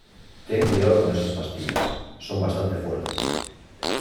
ten cuidado con esas pastillas, son bastante fuertes.